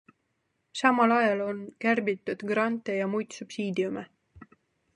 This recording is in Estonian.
Samal ajal on kärbitud grante ja muid subsiidiume.